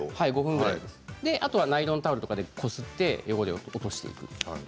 あとはナイロンタオルとかでこすって汚れを落としていく。